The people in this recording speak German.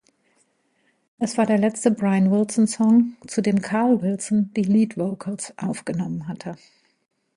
Es war der letzte Brian-Wilson-Song, zu dem Carl Wilson die Lead-Vocals aufgenommen hatte.